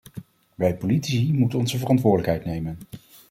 Wij politici moeten onze verantwoordelijkheid nemen.